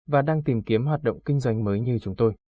và đang tìm kiếm hoạt động kinh doanh mới như chúng tôi